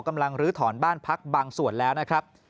ลื้อถอนบ้านพักบางส่วนแล้วนะครับ